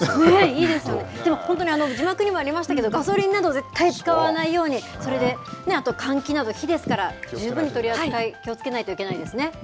いいですよね、字幕にもありましたけど、ガソリンなど、絶対使わないように、それであと、換気など、火ですから十分に取り扱い、気をつけないといけないですね。